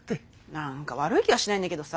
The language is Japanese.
何か悪い気はしないんだけどさ